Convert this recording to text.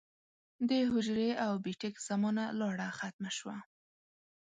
د حجرې او بېټک زمانه لاړه ختمه شوه